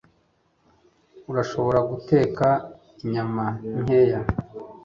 urashobora guteka inyama nkeya